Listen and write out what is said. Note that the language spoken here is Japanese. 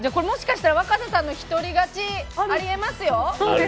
もしかしたら若狭さんの１人勝ちもありえますよ。